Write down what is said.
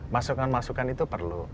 masukan masukan itu perlu